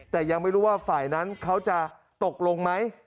แต่ยังไม่รู้ว่าฝ่ายนั้นเขาจะตกลงไหม